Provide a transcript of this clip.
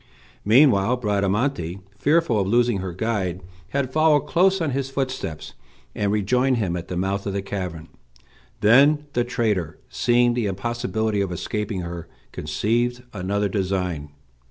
Meanwhile Bradamante, fearful of losing her guide, had followed close on his footsteps, and rejoined him at the mouth of the cavern. Then the traitor, seeing the impossibility of escaping her, conceived another design.